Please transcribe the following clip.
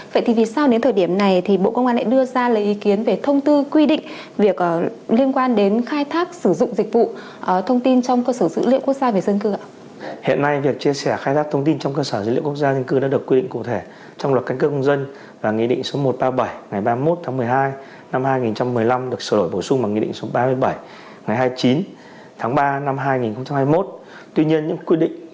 vậy thì vì sao đến thời điểm này bộ công an lại đưa ra lời ý kiến về thông tư quy định liên quan đến khai thác sử dụng dịch vụ thông tin trong cơ sở dữ liệu quốc gia về dân cư